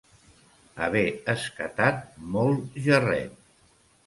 Haver escatat molt gerret.